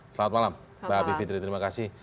selamat malam mbak bivitri terima kasih